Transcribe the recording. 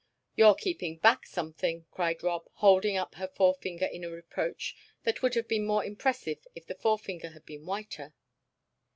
"You're keeping back something!" cried Rob, holding up her forefinger in a reproach that would have been more impressive if the forefinger had been whiter.